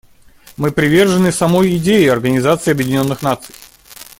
Мы привержены самой идее Организации Объединенных Наций.